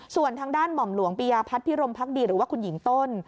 ส่วนทางด้านหม่อมหลวงปียาพัฒน์พิรมพักดีหรือว่าคุณหญิงต้น